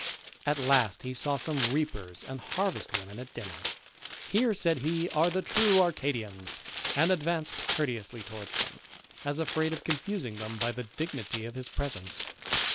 At last he saw some reapers and harvest women at dinner. Here, said he, are the true Arcadians, and advanced courteously towards them, as afraid of confusing them by the dignity of his presence.